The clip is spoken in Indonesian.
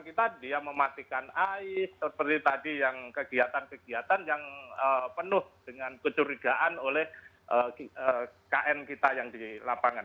kita dia mematikan air seperti tadi yang kegiatan kegiatan yang penuh dengan kecurigaan oleh kn kita yang di lapangan